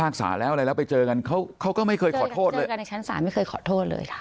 เค้าก็ไม่เคยขอโทษเลย